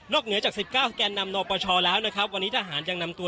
เหนือจาก๑๙แกนนำนปชแล้วนะครับวันนี้ทหารยังนำตัว